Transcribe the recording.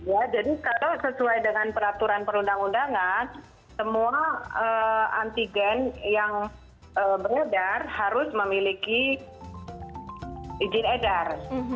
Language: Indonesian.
jadi kalau sesuai dengan peraturan perundang undangan semua antigen yang beredar harus memiliki izin edar